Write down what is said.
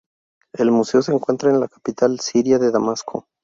El museo se encuentra en la capital siria de Damasco.